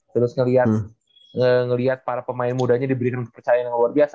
terus ngelihat para pemain mudanya diberikan kepercayaan yang luar biasa